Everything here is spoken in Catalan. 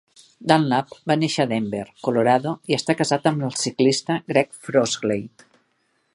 Dunlap va néixer a Denver, Colorado, i està casat amb el ciclista Greg Frozley.